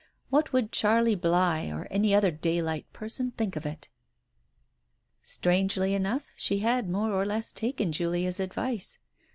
What would Charlie Bligh, or any other daylight person think of it? Strangely enough, she had more or less taken Julia's advice